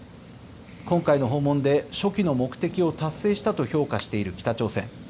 今回の訪問で所期の目的を達成したと評価している北朝鮮。